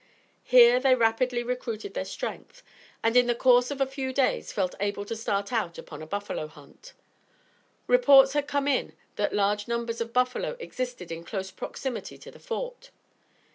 Here they rapidly recruited their strength, and in the course of a few days felt able to start out upon a buffalo hunt. Reports had come in that large numbers of buffalo existed in close proximity to the Fort.